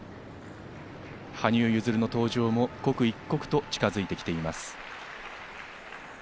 羽生結弦の登場も刻一刻と近づいてきています。